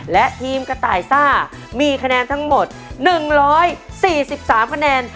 และทีมกระต่ายซ่ามีคะแนนทั้งหมด๑๔๓คะแนน